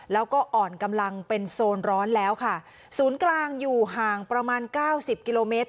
แล้วก็อ่อนกำลังเป็นโซนร้อนแล้วค่ะศูนย์กลางอยู่ห่างประมาณเก้าสิบกิโลเมตร